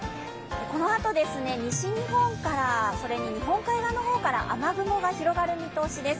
このあと、西日本からそれに日本海側の方から雨雲が広がる見通しです。